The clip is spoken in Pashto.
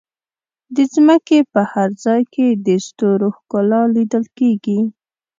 د ځمکې په هر ځای کې د ستورو ښکلا لیدل کېږي.